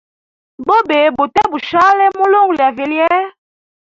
Bubi bute bushali mulungu lya vilye.